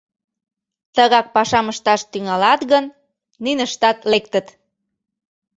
Тыгак пашам ышташ тӱҥалат гын, ниныштат лектыт.